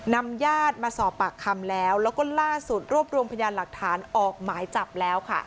นำญาติมาสอบปากคำแล้วแล้วก็ล่าสุดรวบรวมพยานหลักฐานออกหมายจับแล้วค่ะ